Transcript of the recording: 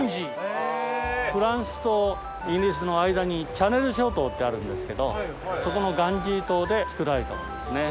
フランスとイギリスの間にチャネル諸島ってあるんですけどそこのガンジー島で作られたものですね。